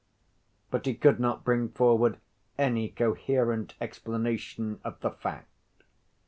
But he could not bring forward any coherent explanation of the fact.